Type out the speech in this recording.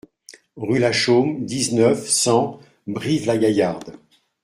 Rue Lachaume, dix-neuf, cent Brive-la-Gaillarde